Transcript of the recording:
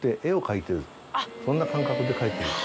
そんな感覚でかいてる